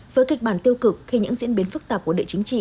với kịch bản tiêu cực khi những diễn biến phức tạp của địa chính trị